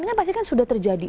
ini kan pasti kan sudah terjadi